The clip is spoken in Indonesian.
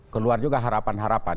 keluar juga harapan harapan